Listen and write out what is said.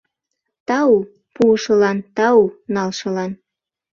Тау пуышылан, тау налшылан!